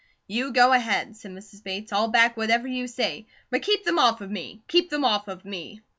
"You go ahead," said Mrs. Bates. "I'll back whatever you say. But keep them off of me! Keep them off of me!"